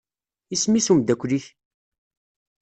Isem-is umeddakel-ik?